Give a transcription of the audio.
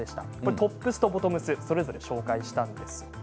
トップスとボトムスそれぞれご紹介しました。